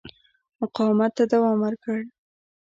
مقاومت ته دوام ورکړ.